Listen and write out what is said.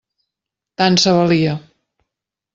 Tant se valia.